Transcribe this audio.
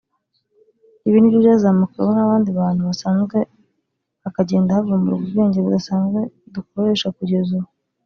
ibi nibyo byazamukiweho n’abandi bantu basanzwe hakagenda havumburwa ubwenge budasanzwe dukoresha kugeza ubu